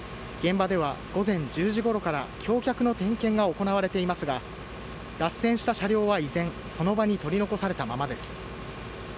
現場では午前１０時ごろから橋脚の点検が行われていますが脱線した車両は依然、その場に取り残されたままです。